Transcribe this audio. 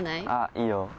いいよ。